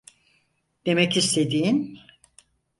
Demek istediğin…